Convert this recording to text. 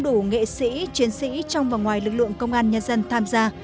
đủ nghệ sĩ chiến sĩ trong và ngoài lực lượng công an nhân dân tham gia